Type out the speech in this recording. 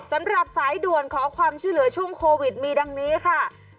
สำหรับสายด่วนขอความช่วยเหลือช่วงโควิดมีดังนี้ค่ะ